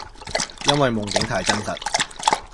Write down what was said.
因為夢境太真實